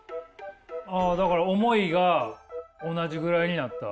あだから思いが同じぐらいになった。